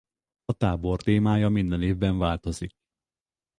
A tábor témája minden évben változik.